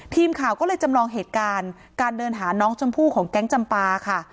ทีมข่าวก็เลยจำลองเหตุการณ์การเดินหาน้องชมพู่ของแก๊งจำปาค่ะ